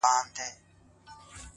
د زړه په كور كي دي بل كور جوړكړی؛